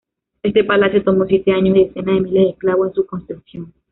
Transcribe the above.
Este palacio tomó siete años y decenas de miles de esclavos en su construcción.